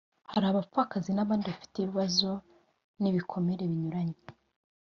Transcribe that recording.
Hari abapfakazi n’abandi bafite ibibazo n’ibikomere binyuranye